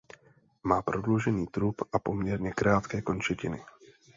Má prodloužený trup a poměrně krátké končetiny.